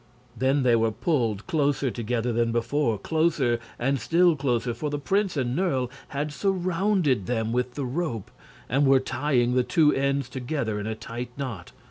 Then they were pulled closer together than before closer, and still closer for the prince and Nerle had surrounded them with the rope and were tying the two ends together in a tight knot.